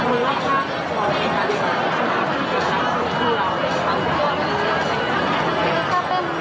คิดว่าเกิดอยากกินกับภาพศาสตร์มีความชอบชีวิต